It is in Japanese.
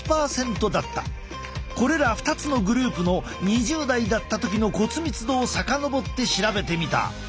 これら２つのグループの２０代だった時の骨密度を遡って調べてみた。